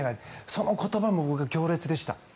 その言葉も僕は強烈でした。